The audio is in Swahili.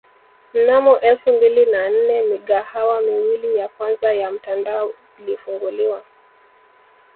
Mnamo elfu mbili na nne migahawa miwili ya kwanza ya mtandao ilifunguliwa